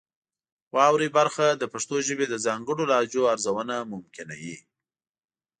واورئ برخه د پښتو ژبې د ځانګړو لهجو ارزونه ممکنوي.